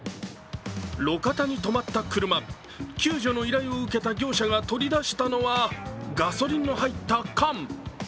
路肩に止まった車、救助の依頼を受けた業者が取り出したのはガソリンの入った缶。